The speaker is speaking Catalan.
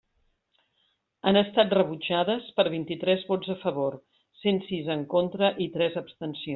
Han estat rebutjades per vint-i-tres vots a favor, cent sis en contra i tres abstencions.